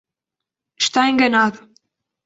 Está enganado.